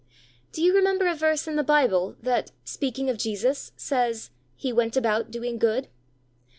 Do you remember a verse in the Bible that, speaking of Jesus, says: "He went about doing good"?